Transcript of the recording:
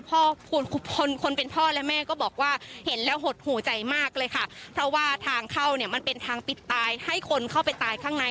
คนคนเป็นพ่อและแม่ก็บอกว่าเห็นแล้วหดหูใจมากเลยค่ะเพราะว่าทางเข้าเนี่ยมันเป็นทางปิดตายให้คนเข้าไปตายข้างใน